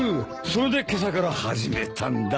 それで今朝から始めたんだ。